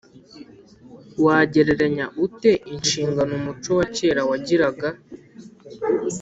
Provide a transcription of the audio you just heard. Wagereranya ute inshingano umuco wa kera wagiraga